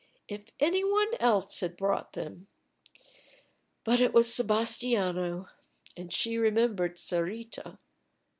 If any one else had brought them but it was Sebastiano. And she remembered Sarita.